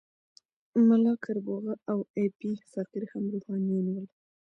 ملا کربوغه او ایپی فقیر هم روحانیون ول.